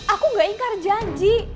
aku gak ingkar janji